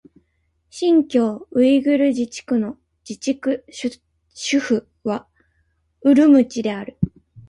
新疆ウイグル自治区の自治区首府はウルムチである